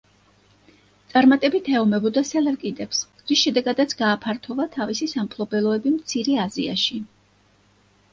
წარმატებით ეომებოდა სელევკიდებს, რის შედეგადაც გააფართოვა თავისი სამფლობელოები მცირე აზიაში.